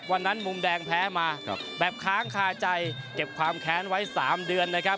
วันนั้นมุมแดงแพ้มาครับแบบค้างคาใจเก็บความแขนไว้๓เดือนเลยครับ